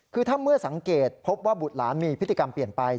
คือถ้าเมื่อสังเกตพบว่าบุตรหลานมีพฤติกรรมเปลี่ยนไป